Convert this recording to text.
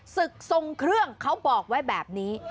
ศึกทรงเครื่องเขาบอกไว้แบบนี้